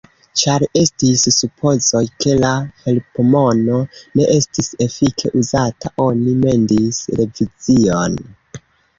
Ĉar estis supozoj, ke la helpmono ne estis efike uzata, oni mendis revizion.